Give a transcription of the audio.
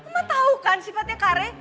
ma tau kan sifatnya kak rey